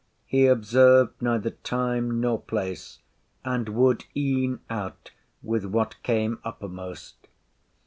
He observed neither time nor place, and would e'en out with what came uppermost.